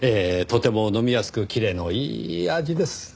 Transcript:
とても飲みやすくキレのいい味です。